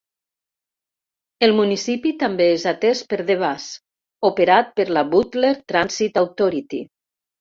El municipi també és atès per The Bus, operat per la Butler Transit Authority.